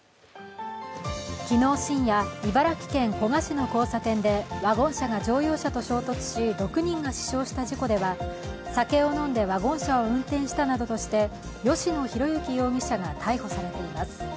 昨日深夜、茨城県古河市の交差点でワゴン車が乗用車と衝突し６人が死傷した事故では酒を飲んでワゴン車を運転したなどとして吉野浩之容疑者が逮捕されています。